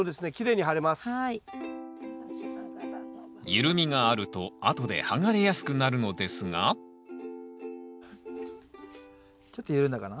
緩みがあるとあとで剥がれやすくなるのですがちょっと緩んだかな。